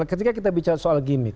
ketika kita bicara soal gimmick